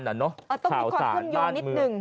ต้องมีความคุ้นโยนนิดหนึ่ง